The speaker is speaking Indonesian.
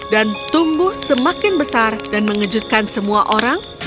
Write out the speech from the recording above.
dan tumbuh semakin besar dan mengejutkan semua orang